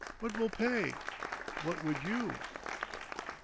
What will pay! What would you?"...